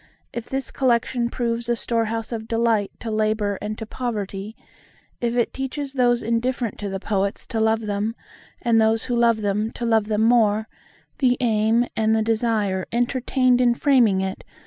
If this collection proves a storehouse of delight to Labour and to Poverty,—if it teaches those indifferent to the Poets to love them, and those who love them to love them more, the aim and the desire entertained in framing it will be fully accomplished.